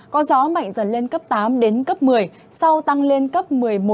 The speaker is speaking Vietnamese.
có gió mạnh dần lên cấp tám một mươi sau tăng lên cấp một mươi một một mươi hai